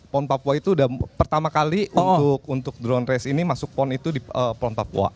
pon papua itu udah pertama kali untuk drone race ini masuk pon itu di pon papua